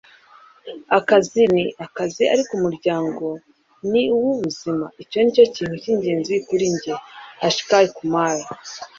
akazi ni akazi, ariko umuryango ni uw'ubuzima. icyo ni cyo kintu cy'ingenzi kuri njye. - akshay kumar